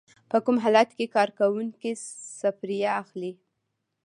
په کوم حالت کې کارکوونکی سفریه اخلي؟